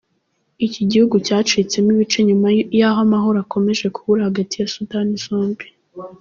Iki gihugu cyacitsemo ibice nyuma yaho amahoro akomereje kubura hagati ya Sudani zombi.